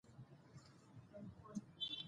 خلک بايد يو له له سره د ښو خوا ته ولاړ سي